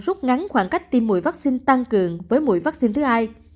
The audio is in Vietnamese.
rút ngắn khoảng cách tiêm mũi vaccine tăng cường với mũi vaccine thứ hai